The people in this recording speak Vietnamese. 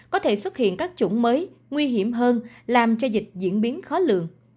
có thể xuất hiện các chủng mới nguy hiểm hơn làm cho dịch diễn biến khó lượng